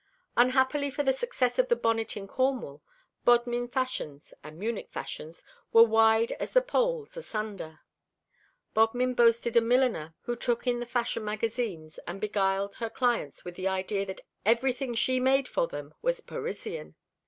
Unhappily for the success of the bonnet in Cornwall, Bodmin fashions and Munich fashions were wide as the poles asunder. Bodmin boasted a milliner who took in the fashion magazines, and beguiled her clients with the idea that everything she made for them was Parisian.